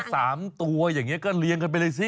สามตัวอย่างนี้ก็เลี้ยงกันไปเลยสิ